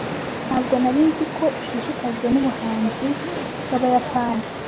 Ntabwo nari nzi ko ushishikajwe nubuhanzi bwabayapani.